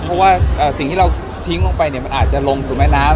เพราะว่าสิ่งที่เราทิ้งลงไปเนี่ยมันอาจจะลงสู่แม่น้ำ